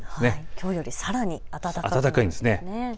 きょうよりさらに暖かいですね。